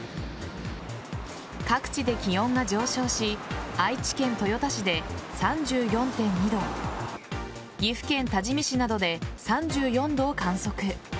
各地で気温が上昇し愛知県豊田市で３４．２度岐阜県多治見市などで３４度を観測。